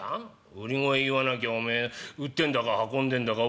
「売り声言わなきゃおめえ売ってんだか運んでんだか分かりゃしねえだろ？」。